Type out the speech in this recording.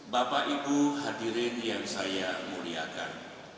bapak ibu hadirin yang saya muliakan